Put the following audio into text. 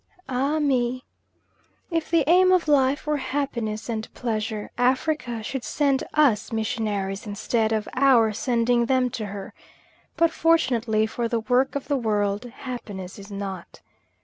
Ah me! if the aim of life were happiness and pleasure, Africa should send us missionaries instead of our sending them to her but, fortunately for the work of the world, happiness is not.